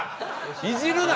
いじるな！